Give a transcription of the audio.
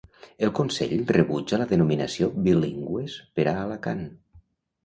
El Consell rebutja la denominació bilingües per a Alacant.